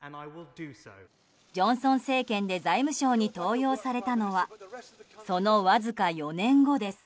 ジョンソン政権で財務相に登用されたのはその、わずか４年後です。